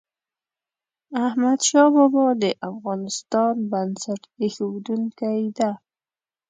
احمد شاه بابا د افغانستان بنسټ ایښودونکی ده.